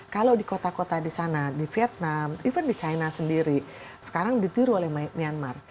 kalau di kota kota di sana di vietnam even di china sendiri sekarang ditiru oleh myanmar